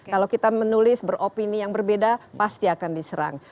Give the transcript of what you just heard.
kalau kita menulis beropini yang berbeda pasti akan diserang